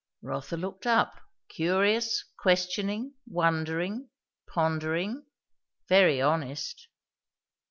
Rotha looked up, curious, questioning, wondering, pondering, very honest.